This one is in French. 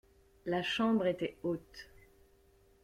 La chambre était haute.